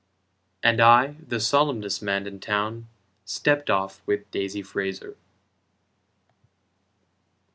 And I, the solemnest man in town, Stepped off with Daisy Fraser.